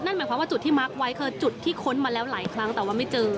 นั่นหมายความว่าจุดที่มักไว้คือจุดที่ค้นมาแล้วหลายครั้งแต่ว่าไม่เจอ